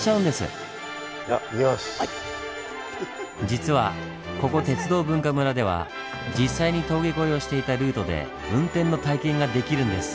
実はここ鉄道文化むらでは実際に峠越えをしていたルートで運転の体験ができるんです。